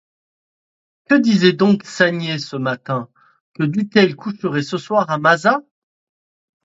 Que disait donc Sanier, ce matin, que Dutheil coucherait ce soir à Mazas?